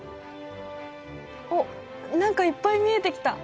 あっ何かいっぱい見えてきた。